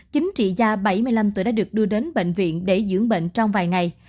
chính trị gia bảy mươi năm tuổi đã được đưa đến bệnh viện để dưỡng bệnh trong vài ngày